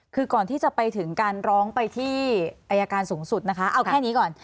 คือก่อนที่จะไปถึงการร้องไปที่อายการสูงสุดนะคะเอาแค่นี้ก่อน